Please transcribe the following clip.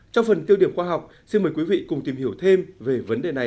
trong phần tiêu điểm khoa học xin mời quý vị cùng tìm hiểu thêm về vấn đề này